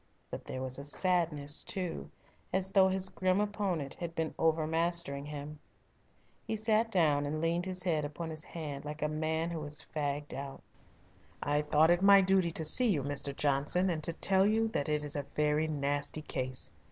But there was a sadness too, as though his grim opponent had been overmastering him. He sat down and leaned his head upon his hand like a man who is fagged out. "I thought it my duty to see you, Mr. Johnson, and to tell you that it is a very nasty case.